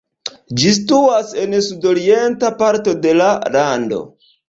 Ĝi situas en sudorienta parto de la lando.